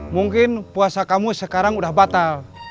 mungkin puasa kamu sekarang udah batal